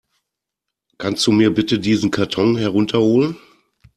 Kannst du mir bitte diesen Karton herunter holen?